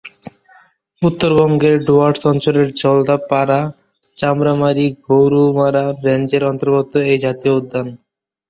উত্তরবঙ্গের ডুয়ার্স অঞ্চলের জলদাপাড়া-চাপড়ামারি-গোরুমারা রেঞ্জের অন্তর্গত এই জাতীয় উদ্যান।